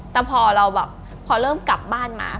แต่พอเราแบบพอเริ่มกลับบ้านมา